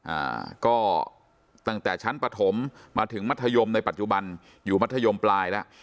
อ่าก็ตั้งแต่ชั้นปฐมมาถึงมัธยมในปัจจุบันอยู่มัธยมปลายแล้ว